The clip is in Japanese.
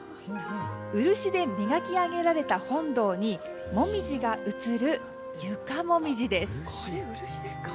漆で磨き上げられた本堂にモミジが映る、床もみじ。